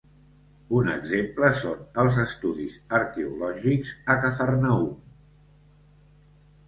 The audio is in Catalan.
Un exemple són els estudis arqueològics a Cafarnaüm.